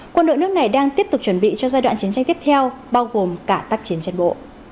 quân đội nước này đang tiếp tục chuẩn bị cho giai đoạn chiến tranh tiếp theo bao gồm cả tác chiến trên bộ